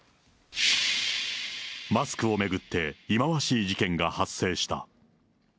マスクを巡って、忌まわしい事件が発生した。